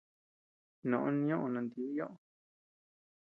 Noʼo nioʼö natibi ñoʼö.